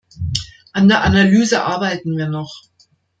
An der Analyse arbeiten wir noch.